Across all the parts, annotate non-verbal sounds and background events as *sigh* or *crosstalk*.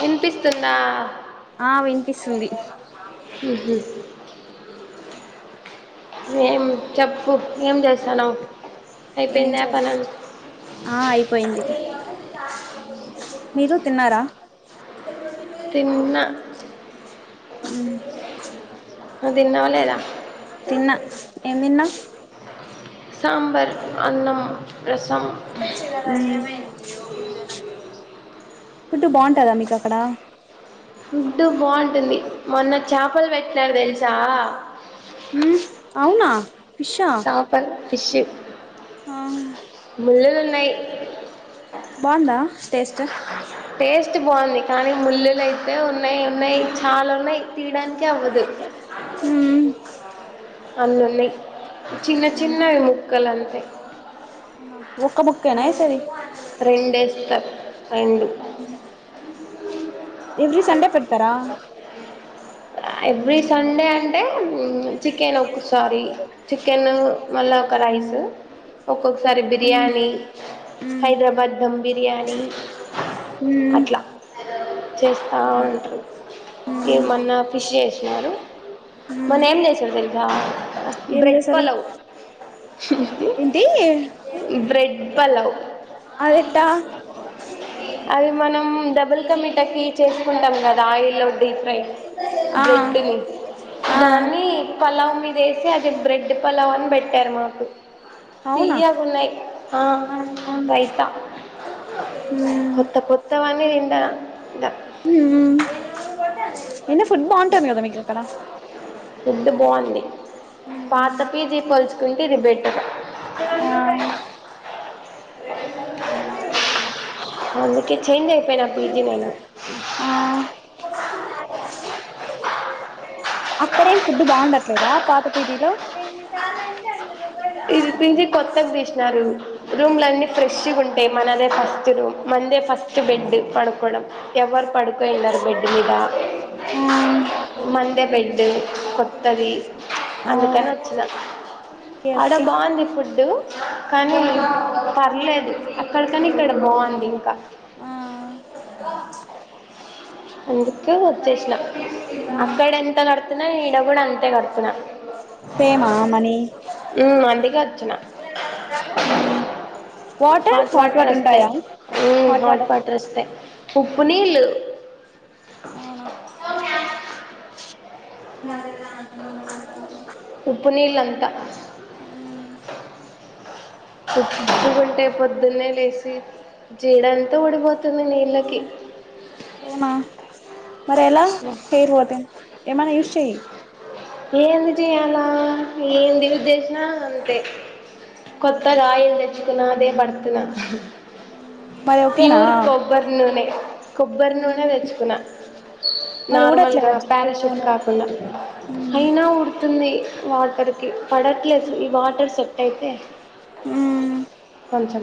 వినిపిస్తుందా ఆ వినిపిస్తుంది హుహ్ ఏం చెప్పు, ఏం చేస్తానవు. ఏం అయిపోయిందా చే పనులు *inaudible* ఆ అయిపోయింది. మీరు తిన్నారా. తిన్నా. హ్ నువ్వు తిన్నవా లేదా. ఎం తిన్నవు? సాంబర్, అన్నం. రసం హ్ ఫుడ్డు బాగుంటదా మీకు అక్కడా? ఉంటుందిద మొన్న చాపలు పెట్టినారు తెలుసా. మ్మ్ అవునా ఫిషా చాపల్ ఫిష్ ఆ ముల్లులున్నయి. బావుందా. టేస్ట్ బావుంది కానీ ముల్లులుయితే ఉన్నయి ఉన్నయి చాలా ఉన్నయి. తీయడానికే అవదు. మ్మ్ అన్ని ఉన్నయి చిన్న చిన్నవి ముక్కలు అంతే. అవునా ఒక్క ముక్కేనా ఎసేది. రెండేస్తా ఎవీ సండే పడతారా ఎవ్రిీ సండే అంటే చికెన్ ఒకసారిీ చికెన్ మళ్ళా ఒక రైస్ ఒక్కొక్కసారి మ్మ్ బిర్యానీ హైదరాబాద్ ధమ్ బిర్యానీ మ్మ్ అట్లా చేస్తా ఉంటారు ఈ మ్మ్ మన్న ఫిష్ చే మ మ్మ్ ఏం చేసారు తె ఏం బ్రెడ్ చేశారు పలవ్ ఏంటి బ్రెడ్ పలవ్ అదట్టా అవి మనం డబుల్ క మటకి చేసుకుంటాం కదా ఆయిల్లో డీప్ ఫ్రై ఆ బ్రెడ్ ఆ దాన్ని పలావ్ మీద వేసి అది బ్రెడ్ పలావ్ అని పెట్టారు మాకు ఫయ్యగా ఉన్నాయి ఆ రైత కొత్త కొత్తవన్నీ తింటను హ ఎన్న ఫుట్ బా ఉంటుంది కదా మీకు అక్కడ ఫుడ్ బాగుంది పాత పిజీ పోల్చుకుంట ఇది పెట్టర్ ఆ అందుకే చేంజ్ అయిపోయినా పీజీ నైను ఆ అక్కడేం ఫుడ్డు బాగుండచ్చ దా పాత పీదలో ఇదిపిించి కొత్తగా తీసినారు రూమ్ న్నిీ ఫ్రెష్ ఉంటాయి మననే ఫస్ట్ రూమ్ మందే ఫస్ట్ బెడ్ పడుకోవడం ఎవరు పడుకో వెళ్ళన్నారు బెడ్ మీద ఆ మందె బెడ్డు కొత్త్తరి అందుకని వచ్చినా ఓకే అక్కడ ఓకే బాగుంది ఫుడ్డు ఆ కానీ పర్లేదు అక్కడికని ఇక్కడ బాగుంది ఇంకా ఆ ఎందుకు వచ్చేష్టం అక్క ఇడ ఎంత కడుతున్నా ఇంకాడ కూడా అంతే కడుతున్నాను మామనీ అందుకే వచ్చిన హ హాట్ వాటర్ వస్తాయి హాట్ వాటర్ వస్తాయి ఉప్పు నీళ్ళు ప అవునా ఉప్పు నీలు ప్పుకుంటే పొద్దునే లేసి జెడ అంత ఊడిపోతుంది నీళ్ళకి అవునా మరి ఎలా హెయిర్ ఏ మన యూస్ చెయి ఏంది చేయాలా ఏంది ఉద్దేశిన అంతే కొత్త రాయలు నచ్చుకున్నాదే భర్తున ఆ ప్యూర్ కొబ్బరి నూనె కొబ్బరి నూనె తెచ్చుకున్నా మరి నార్మల్గా ఊడట్లేదా పారాషూట్ జుట్టును కాకుండా అయినా ఉడుతుంది వాటర్కి పడట్లేదు ఈ వాటర్ సెట్ అయితే కొంచెం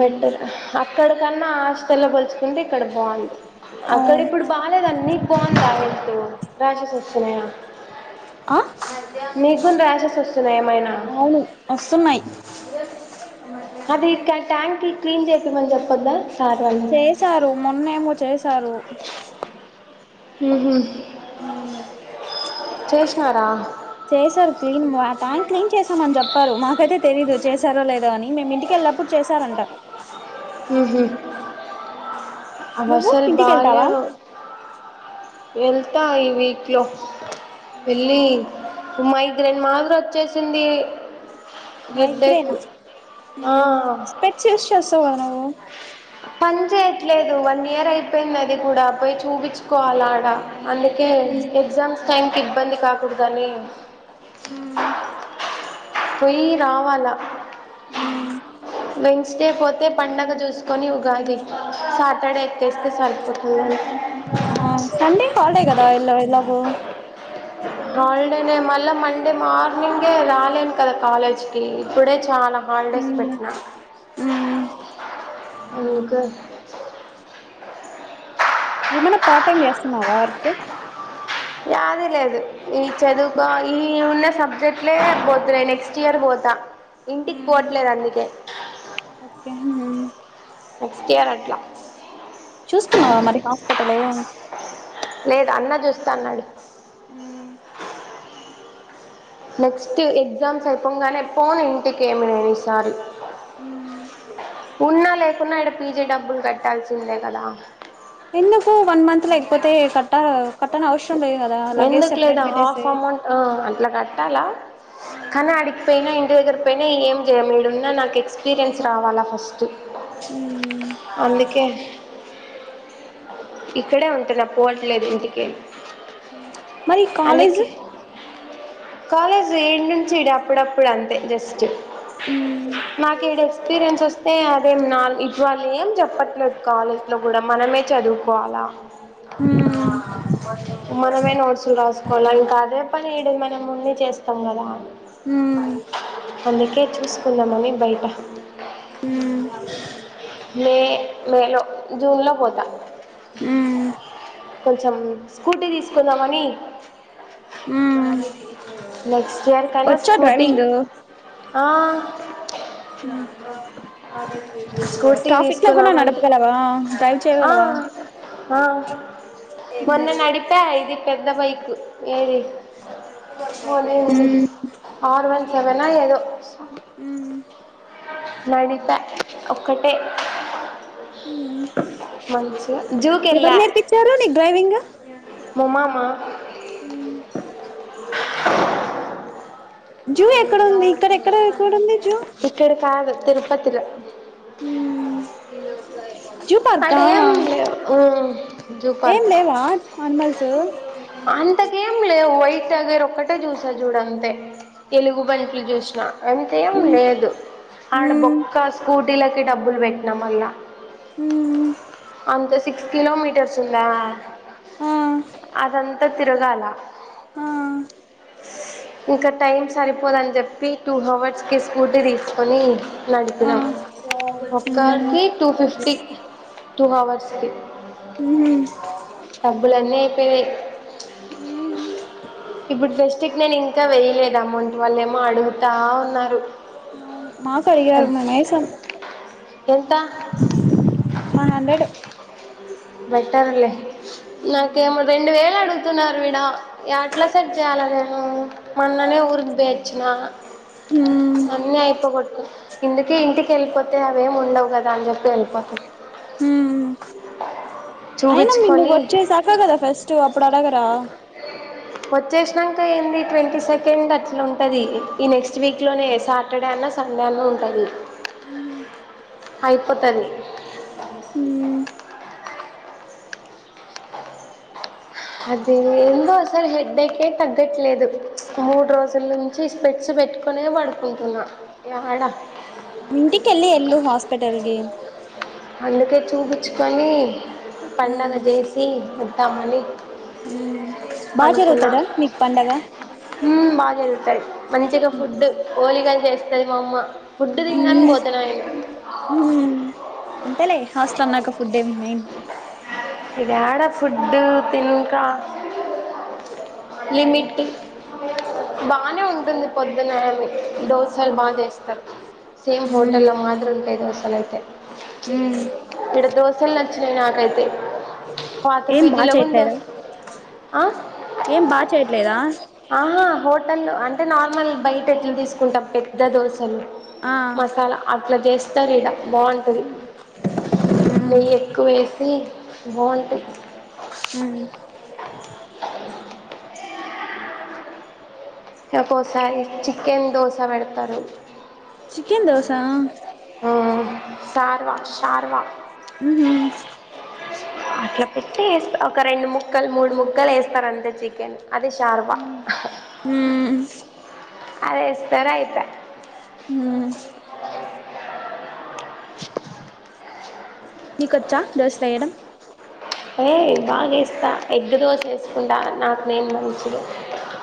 బెడర్ అక్కడకన్నా హాస్టల్లో పోల్చుకుంటే ఇక్కడ బాగుంది అవు అక్కడ ఇప్పుడు బాగాలేదు అన్నీ బాగుందిా వెెస్త రాషెస్ వస్తున్నాయా ఆ నీకు కూడా ర్యాషెస్ వస్తున్నాయా ఏమైనా అవును వస్తున్నాయి అది ట్యాంక్ క్లీన్ చేసిమని చెప్పొద్దా సార్ వాళ్ళు చేసారు మొన్నేమో చేసారు ఉహ చేసినారా చేసారు క్లీన్ టా క్లీన్ చేస అని చెప్పారు మాకైతే తెలీదు చేశారో లేదో అని మేము ఇంటికెళ్లప్పుడు చేశారంట నువ్వు అసలు ఇంటికెళ్తావా బాలేదు వెళ్తా ఈ వీక్లో వెళ్ళి మైగ్రేన్ మాదిరి వచ్చేసింది మైగ్రేన్ హెడ్ఏక్ ఆ స్పెక్ట్స్ చేస్తవ నవవు పని చేయట్లేదు వన్ ఇయర్ అయిపోయింది అది కూడా పోయి చూపించుకోవాలి ఆడ అందుకే ఎగ్జామ్స్ టైమ్కి ఇబ్బంది కాకూడదని ఆ పోయ్యి రావాలా ఆ వెడ్నెస్ పోతే పండగ చూసుకొని ఉగాలి శాటర్డేఎక్కేస్తే చరిపోతుంది ఆ సండే హాల్డే కదా ఇలా ఎలాగో హాలిడేనే మళ్ళా మండే మార్నింగే రాలేను కదా కాలేజ్ కి ఇప్పుడే చాలా హాలిడేస్ పెట్టినా అ అకా ఇమనా పార్ట్ టైమ్ చేస్తునావ్ వర్క్ ఇది లేదు చదువుక ఈ ఉన్న సబ్జెక్ట్లే పోతు నెక్స్ట్ ఇయర్ పోతా ఇంటికి పోవట్లేదు అందుకే ఓకే నక్స్ కేయర్ అట్లా చూసుకున్నావా మరి హాస్పిటల్ లేదు అన్న చూస్తా అన్నాడు ఆ నెక్స్ట్ ఎగ్జామ్స్ అయిపోంగానే పోోన్ ఇంటికి ఏమి నను ఈసారి ఉ ఉన్నా లేకున్నా ఇక్కడ పీజే డబ్బులు కట్టాల్సిందే కదా ఎందుకో వన్ మంత్ లో లేకపోతే కట్ట కట్టన అవసరం లేదు కదా లగేజ్ ఎందుకు లేదా సెపరేట్ హాఫ్ పెట్టేసి అమౌంట్ ఆ, అట్లా కట్టాలా కానీ అడిగిపోయినా ఇంటి దగ్గర పోయినా ఏం చేయలేడున్నా నాకు ఎక్స్పీరియన్స్ రావాలా ఫస్ట్ అందుకే ఇక్కడే ఉంటన్నా పోవట్లేదు ఇందుకే మరి కాలేజ్ కాలేజ్ ఏంట డు అప్పుడప్పుడు అంతే జస్ట్ నాకు ఈడు ఎక్స్పీరియన్స్ వస్తు అదేం నా ఇటీవళ ఏం చెప్పట్లేదు కాలేజ్లో కూడా మనమే చదువుకోవాలా *inaudible* మనమే నోట్స్లు రాసుకోవాలి ఇంకా అదే పని ఈడది మనం ఉన్ని చేస్తాం కదా అన్ని కేచ్చసుకున్నా మమ బైకా మ మేలో జూన్ లో పోతా కొంచెం స్కూటీ తీసుకుందామని నెక్స్ట్ ఇయర్ కనా వచ్చా స్కూటీ ఆ అర స్కూటీ టఫక్లా తీసుకుందామని కూడాదుగాలవా డ్రైవ్ ఆ చేయగలవా ఆ మొన్న న నడిప ఇది పెద్ద బైకు ఏ పోదది ఆరు వన్ సవనా ఏదో అ నడిత ఒక్కటే మంచించి జూకి ఎవరు ఎలా నేర్పించారు నీకు డ్రైవింగ్ మమ మా జూ ఎక్కడంది ఇక్కడ ఎక్కడ ఎక్కడుంది జూ ఇక్కడ కాదు తిరుపతిలో జూ పార్క్ ఆడేం లేవు ఉమ్, జూ ఏం లేవా అన్మల్స్ అంత కేం లే వైట్ తగారు ఒక్కటే చూసా చూడంతే తెలుగు బంలు చూసిన ఎంతేం లేదు ఆడ మ్మ్ బొక్క స్కూటీలకి డబ్బులు పెట్టిన వల్ల మ్మ్ అంత సిక్స్ కిలోమీటర్స్ ఉంద ఆ అదంతా తిరగాల ఆ ఇంకా టైం సరిపోదని చెప్పి టూ అవర్స్కి స్కూటీ తీసుకొని ఆ నడిపినాం మ్మ్ ఒక్కకి టూ ఫిఫ్టీ టూ అవర్స్కి హ డబ్బులన్నీ ఇప్పుడు బెస్ట్ ఎక్ నను ఇం ఇంకా వేయలేదు అమౌంట్ వాళ్ళ ఏమో అడుగుతా ఉన్నారు *inaudible* ఎంత వన్ హండ్రెడ్ బెట్టర్లే నాకేమో రెండు వేలు అడుగుతున్నారు విడా ఎట్లా సెట్ చేయాల నేను మొన్ననే ఉరిదిపోచ్చిన మ్మ్ అన్నీ అయిపోకడదు ఇందుకే ఇంటికి వెళ్ళిపోతు అయితే అవేమి ఉండవు కదా అని చెప్పి వెళిపోతాం మ్మ్ చూపీచుకొని అగదా ఫర్స్ట్ అప్పుడు అడగరా వచ్చేసినాక ఏంది ట్వంటీ సెకండ్ అట్లా ఉంటది ఈ నెక్స్ట్ వీక్ లోనే సాటర్డే సండె అన్న ఉంటంది మ్మ్ అయిపోతుంది హ అే తగ్గట్లేదు మూడు రోజుల నుంచి స్పెట్స్ పెట్టుకునే పడుకుంటున్నా యాడ ఇంటికిల్లి ఎల్లు హాస్పిటల్ కి అందుకే చూపించుకొని పండగ చేసి ఉంటామని బా జరువుతదా నీకు పండగ బాగా జదుగుతాది మంచిగా ఫుడ్ హోలిగాలు చేస్తది మా అమ్మ ఫుడ్డు తింని పోతున్నా అడి హ అంతలే హాస్టల్ అన్నాక ఫుడ్ ఏం మయిన్ ఇదిడ ఫుడ్ తింకా లిమిట్ బానే ఉంటుంది పొద్దునని దోశలు బాగా చేస్తారు. సేమ్ హోటెల్ మాదిరి ఉంటాయి దోసెలైతే అయితే ఫుల్ నచ్చినాయి నాకైతే పాత ఏం బాగా పీజీలో కూడా చెయ్యట్లేదా దోశ ఆ? ఏం బాగా చేయట్లేదా హోటల్ అంటే నార్మల్ బయట ఎట్లు తీసుకుంటాం పెద్ద దోశలు ఆ మసాలా అట్లా చేస్తారు ఇడ బాగుంటుంది నెయ్యి ఎక్కువ వేసి బాఉంటుంది *inaudible* ఒక్కకోసారి చికెన్ దోశ పెడతారు చికెన్ దోస సార్వా సార్వా *inaudible* అట్లా పెట్టీ రెండు ముక్కలు మూడు ముక్కలు వేస్తారు అంతే చికెన్ అది శార్వా హ అదేస్తర ఆయితా హ *unintelligible* మీకొచ్చా దోస చెయడం అయ బాగా ఏస్తా ఎగ్ దోస చేసుకుంటా నాకు నేను మంచిది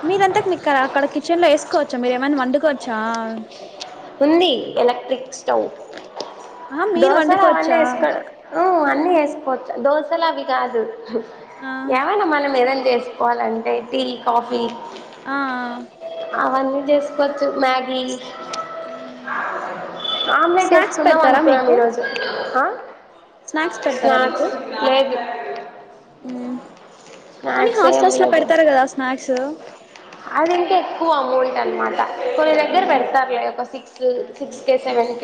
మీరంతాకు మీక్కడ అక్కడ కిచెన్ లో వేసుకోవచ్చా మీరు ఏమైనా వండుకోవచ్చా ఉంది ఎలక్ట్రిక్ స్టవ్ ఆహా మీరు దోసలు అవన్నీ వండుకోవచ్చా వేసుకో అన్నీ వేసుకోవచ్చు దోసలు అవి కాదు ఆ ఎవైనా మనం ఏదన్నా చేసుకోవాలంటే టీ కాఫీ ఆ చేసుకోచ్చు మ్యాగి ఆమ్లెట్ స్నాక్స్ వేస్తున్నాం పెడతారా అనుకున్నాం మీకు ఈరోజు స్నాక్స్ పెడతారా స్నాక్స్ మీకు లేగ కొన్ని స్నాక్స్ ఏం హాస్టల్స్ లో లేదు పెడతారు కదా స్నాక్స్ అది ఇంకా ఎక్కువ అమౌంట్ అనమాట కొన్ని దగ్గర పెడతారులే ఒక సిక్స్ సిక్స్ కే సెవెన్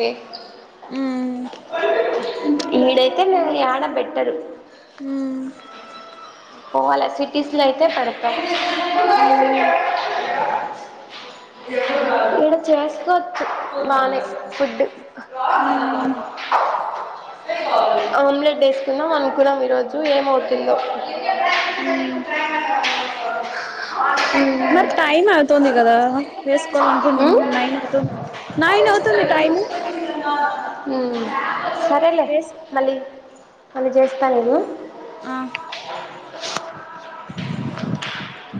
ఈడైతే నే యాడ బేట్టరు. ఉమ్ పోవాల సిటీస్లో అయితే పెడతరు. ఉమ్ ఇడ చేసుకోవచ్చు. బానే ఫుడ్ ఉమ్ ఆమ్లెట్ డేసుకుందాం అనుకున్నాం ఈరోజు ఏమవుతుందో ఉమ్ మరి టైం అవుతుంది కదా ఉమ్ వేసుకోవాలినుకుంటున్నా నైన్ అవుతుంది. నైన్ అవుతుంది టైం ఏను ఉమ్ సరేలే వేస్ మళ్ళీ మళ్ళీ చేస్తా నేను ఆ ఉ